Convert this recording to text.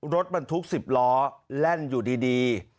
รถมันทุกสิบล้อแร่นอยู่ดี